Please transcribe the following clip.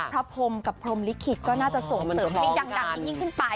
พรมกับพรมลิขิตก็น่าจะส่งเสริมให้ดังยิ่งขึ้นไป